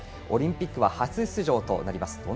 オリンピックは初出場となります。